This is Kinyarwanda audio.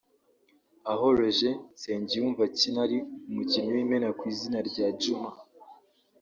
aho Roger Nsengiyumva akina ari umukinnyi w’imena ku izina rya Jumah